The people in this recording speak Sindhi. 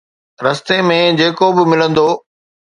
رستي ۾ جيڪو به ملندو